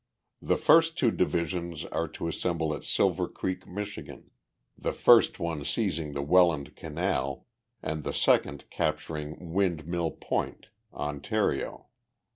The first two divisions are to assemble at Silvercreek, Michigan the first one seizing the Welland Canal and the second capturing Wind Mill Point, Ontario.